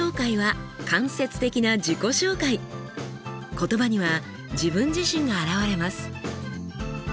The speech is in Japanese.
言葉には自分自身が表れます。